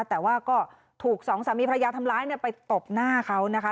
แต่ว่าก็ถูกสองสามีภรรยาทำร้ายไปตบหน้าเขานะคะ